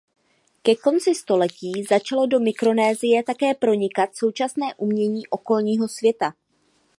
Ke konci století začalo do Mikronésie také pronikat současné umění okolního světa.